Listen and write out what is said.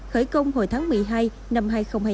khởi công hồi tháng một mươi hai năm hai nghìn hai mươi